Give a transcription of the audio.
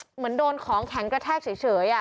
เหมือนโดนของแข็งกระแทกเฉย